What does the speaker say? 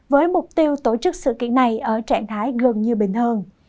với mục tiêu tổ chức sự kiện này ở trạng thái gần như bình hơn